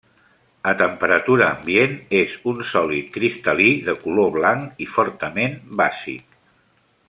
A temperatura ambient és un sòlid cristal·lí de color blanc i fortament bàsic.